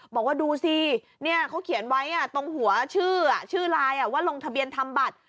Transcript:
บอกว่าดูสิเขาเขียนไว้ตรงหัวชื่อไลน์ว่าลงทะเบียนทำบัตร